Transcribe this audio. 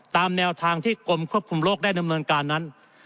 ตามแนวทางที่กรมควบคุมโรคได้ดำเนินการนั้น